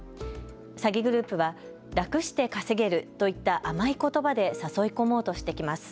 詐欺グループは楽して稼げるといった甘いことばで誘い込もうとしてきます。